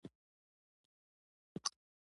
سرور المحزون او نور العیون لوستلی دی.